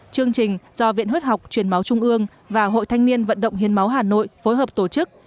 chương trình do viện huyết học truyền máu trung ương và hội thanh niên vận động hiến máu hà nội phối hợp tổ chức